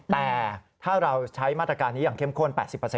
แต่ถ้าเราใช้มาตรการนี้อย่างเข้มข้น๘๐